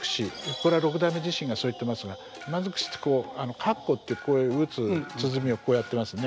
これは六代目自身がそう言ってますが山尽しって羯鼓ってこういう打つ鼓をこうやってますね。